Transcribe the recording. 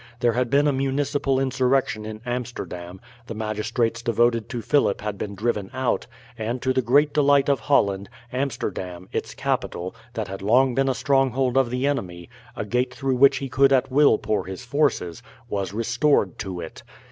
There had been a municipal insurrection in Amsterdam; the magistrates devoted to Philip had been driven out, and to the great delight of Holland, Amsterdam, its capital, that had long been a stronghold of the enemy, a gate through which he could at will pour his forces, was restored to it.